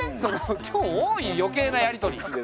今日多い余計なやり取り。